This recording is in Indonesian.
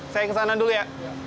saya kesana dulu ya